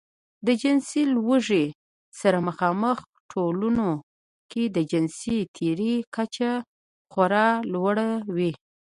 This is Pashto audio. د جنسي لوږې سره مخامخ ټولنو کې د جنسي تېري کچه خورا لوړه وي.